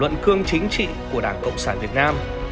luận cương chính trị của đảng cộng sản việt nam